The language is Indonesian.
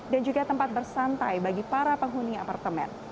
dan juga tempat bersantai bagi para penghuni apartemen